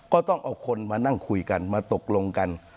ก็ต้องเอาคนมานั่งคุยกันมาตกลงกัน